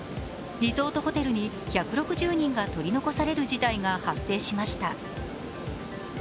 リゾートホテルに１６０人が取り残される事態が発生しました。